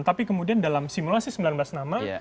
tapi kemudian dalam simulasi sembilan belas nama